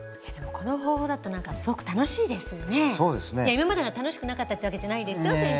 今までが楽しくなかったってわけじゃないですよ先生。